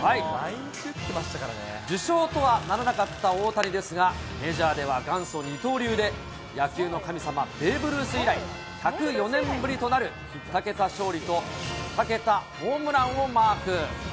受賞とはならなかった大谷ですが、メジャーでは元祖二刀流で、野球の神様、ベーブ・ルース以来１０４年ぶりとなる、２桁勝利と２桁ホームランをマーク。